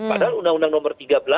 padahal undang undang nomor tiga belas